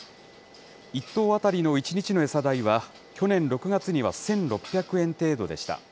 １頭当たりの１日の餌代は、去年６月には１６００円程度でした。